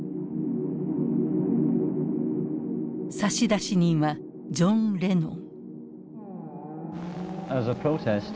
差出人はジョン・レノン。